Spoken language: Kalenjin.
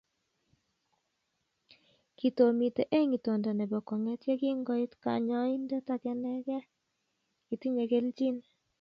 Kitomitei eng itondo nebo kwong'et ye kingoit kanyoindet agenege, "Itinye kelchin".